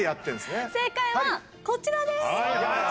正解はこちらです。